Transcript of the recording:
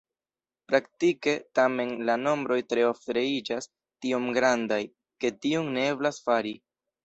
Praktike, tamen, la nombroj tre ofte iĝas tiom grandaj, ke tion ne eblas fari.